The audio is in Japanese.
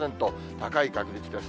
高い確率です。